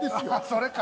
それか！